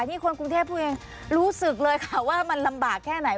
นี่คนกรุงเทพพูดเองรู้สึกเลยค่ะว่ามันลำบากแค่ไหน